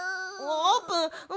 あーぷん！